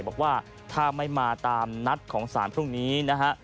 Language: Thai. บอกว่าถ้าไม่มาตามนัดของสารพรุ่งนี้นะฮะ